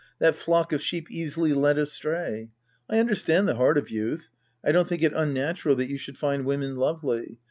That flock of sheep easily lead astray. I understand the heart of youth. I don't think it unnatural that you should find women lovely.